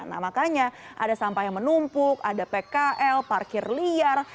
nah makanya ada sampah yang menumpuk ada pkl parkir liar